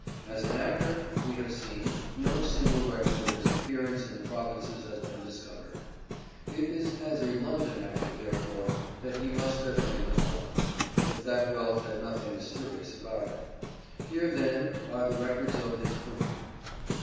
As an actor, we have seen, no single record of his appearance in the provinces has been discovered. It is as a London actor, therefore, that he must have made his wealth, if that wealth had nothing mysterious about it. Here, then, are the records of his career.